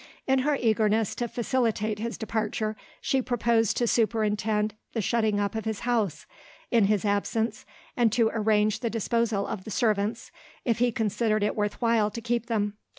In her eagerness to facilitate his departure, she proposed to superintend the shutting up of his house, in his absence, and to arrange the disposal of the servants, if he considered it worth while to keep them.